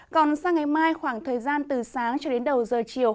còn sang ngày mai khoảng thời gian từ sáng cho đến đầu giờ chiều